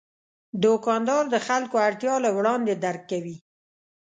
دوکاندار د خلکو اړتیا له وړاندې درک کوي.